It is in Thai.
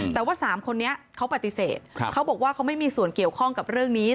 แต่ว่า๓คนนี้เขาปฏิเสธเขาบอกว่าเขาไม่มีส่วนเกี่ยวข้องกับเรื่องนี้